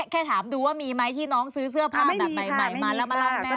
แค่ถามดูว่ามีไหมที่น้องซื้อเสื้อผ้าแบบใหม่มาแล้วมาเล่าให้แม่